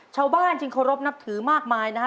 ชาวบ้านจึงเคารพนับถือมากมายนะฮะ